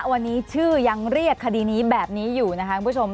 วันนี้ชื่อยังเรียกคดีนี้แบบนี้อยู่นะคะคุณผู้ชม